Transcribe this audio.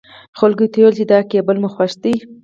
خلکو ته يې ويل چې دا کېبل مو خوښ دی.